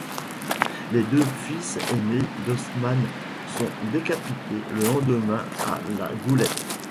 Les deux fils aînés d'Osman sont décapités le lendemain à La Goulette.